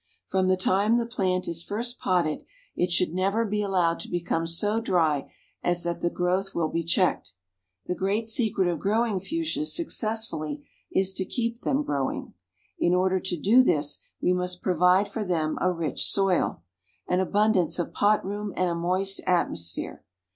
From the time the plant is first potted it should never be allowed to become so dry as that the growth will be checked. The great secret of growing Fuchsias successfully is to keep them growing. In order to do this we must provide for them a rich soil, an abundance of pot room and a moist atmosphere.